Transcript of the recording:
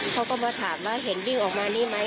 เขาก็มาถามว่าเห็นวิ่งออกมานี่ไหม